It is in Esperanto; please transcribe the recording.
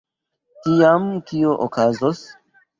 Tiam kio okazos?